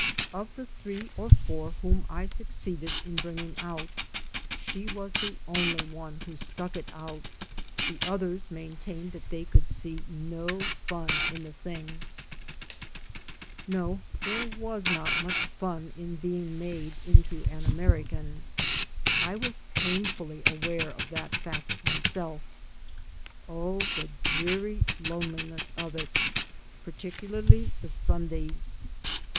Of the three or four whom I succeeded Iq bringing out she was the only one who stuck it out; the others maintained that they could see no fun in the thing. No, there was not much fun in being made into an American. I was painfully aware of that fact myself. Oh, the dreary loneliness of it! Particularly the Sundays.